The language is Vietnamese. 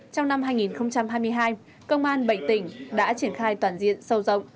trong năm hai nghìn hai mươi hai công an bảy tỉnh đã triển khai toàn diện sâu rộng